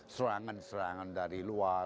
serangan serangan dari luar